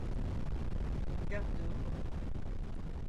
Yaptığım bu.